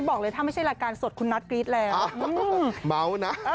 ก็บอกเลยถ้าไม่ใช่รายการสดคุณนัทกรี๊ดแรง